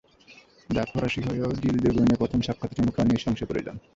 জাত ফরাসি হয়েও জিল দেবুইনো প্রথম সাক্ষাতে চুমু খাওয়া নিয়ে সংশয়ে পড়ে যান।